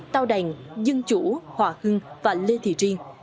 tàu đành dân chủ hòa hưng và lê thị riêng